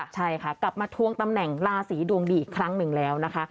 ใช่ค่ะกลับมาทวงตำแหน่งราศีดวงดีอีกครั้งหนึ่งแล้วนะคะ